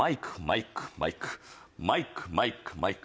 マイクマイクマイク。